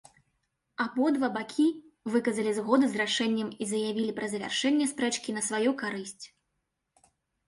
Абодва бакі выказалі згоду з рашэннем і заявілі пра завяршэнне спрэчкі на сваю карысць.